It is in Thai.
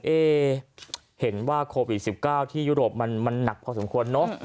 เอ๊ะเห็นว่าโควิดสิบเก้าที่ยุโรปมันมันหนักพอสมควรเนอะ